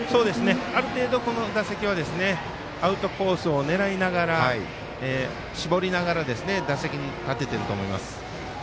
ある程度この打席はアウトコースをねらいながら絞りながら打席に立ててると思います。